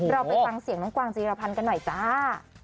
เราไปฟังเสียงน้องกวางจีรพันธ์กันหน่อยจ้า